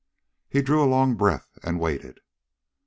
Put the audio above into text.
He drew a long breath and waited.